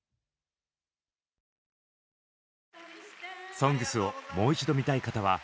「ＳＯＮＧＳ」をもう一度見たい方は「ＮＨＫプラス」で！